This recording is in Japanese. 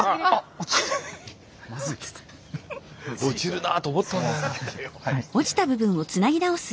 落ちるなと思ったんだよ。